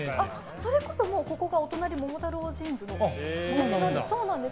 それこそ、お隣が桃太郎ジーンズのお店です。